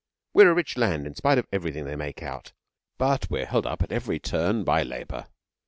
We're a rich land in spite of everything they make out but we're held up at every turn by Labour.